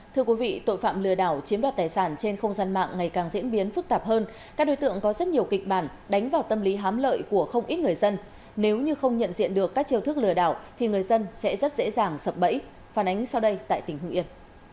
thưa quý vị tội phạm lừa đảo chiếm đoạt tài sản trên không gian mạng ngày càng diễn biến phức tạp hơn các đối tượng có rất nhiều kịch bản đánh vào tâm lý hám lợi của không ít người dân nếu như không nhận diện được các chiều thức lừa đảo thì người dân sẽ rất dễ dàng sập bẫy phản ánh sau đây tại tỉnh hưng yên